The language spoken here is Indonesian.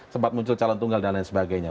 sempat muncul calon tunggal dan lain sebagainya